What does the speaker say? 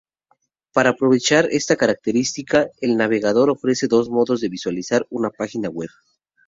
Para aprovechar esta característica, el navegador ofrece dos modos de visualizar una página web.